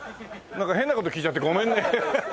変な事聞いちゃってごめんね。